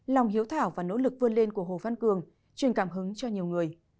lòng hiếu thảo và nỗ lực vươn lên của hồ văn cường truyền cảm hứng cho nhiều người